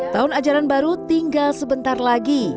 tahun ajaran baru tinggal sebentar lagi